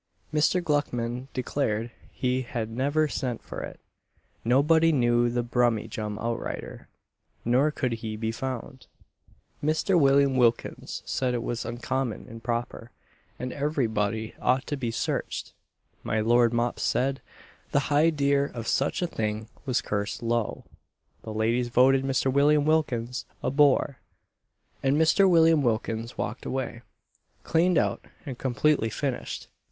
Mr. Gluckman declared he had never sent for it; nobody knew the "Brummyjum outrider," nor could he be found; Mr. William Wilkins said it was uncommon improper, and every body ought to be searched; my Lord Mops said "the highdear of such a thing was cursed low;" the ladies voted Mr. William Wilkins a bore; and Mr. William Wilkins walked away, cleaned out and completely finished.